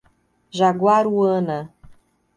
Jaguaruana